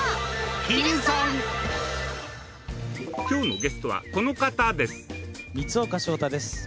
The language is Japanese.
今日のゲストはこの方です。